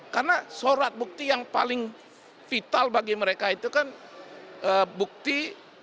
karena surat bukti yang paling vital bagi mereka itu kan bukti satu ratus lima puluh lima